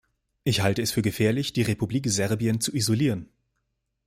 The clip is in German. Ich halte es für gefährlich, die Republik Serbien zu isolieren.